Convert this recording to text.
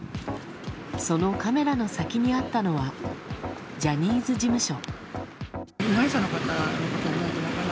そのカメラの先にあったのはジャニーズ事務所。